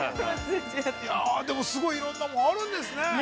◆でもすごい、いろんなものがあるんですね。